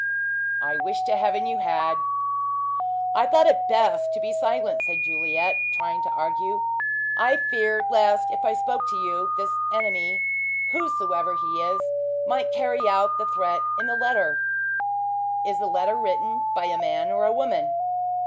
"I wish to heaven you had!" "I thought it best to be silent," said Juliet, trying to argue. "I feared lest if I spoke to you, this enemy, whosoever he is, might carry out the threat in the letter." "Is the letter written by a man or a woman?"